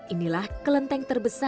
inilah kelenteng terbesar